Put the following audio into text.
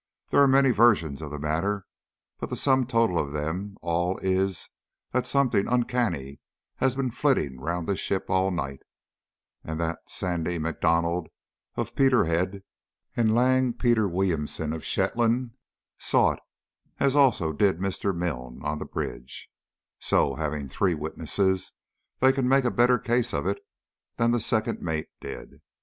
There are many versions of the matter, but the sum total of them all is that something uncanny has been flitting round the ship all night, and that Sandie M'Donald of Peterhead and "lang" Peter Williamson of Shetland saw it, as also did Mr. Milne on the bridge so, having three witnesses, they can make a better case of it than the second mate did.